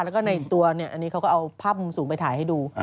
แล้วก็ในตัวเนี่ยอันนี้เขาก็เอาภาพมุมสูงไปถ่ายให้ดู